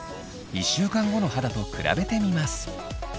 １週間後の肌と比べてみます。